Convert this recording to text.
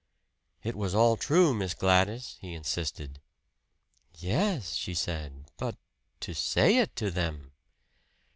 "It was all true, Miss Gladys," he insisted. "Yes," she said "but to say it to them!"